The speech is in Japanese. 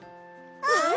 うん！